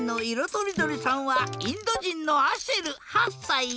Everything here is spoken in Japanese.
とりどりさんはインドじんのアシェル８さい。